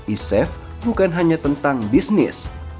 isef bukan hanya tentang bisnis